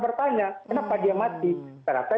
bertanya kenapa dia mati kenapa